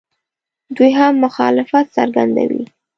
دوی هم مخالفت څرګندوي.